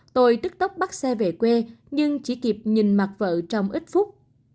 tôi tức tốc bắt xe về quê nhưng chỉ kịp nhìn mặt vợ trong ít phút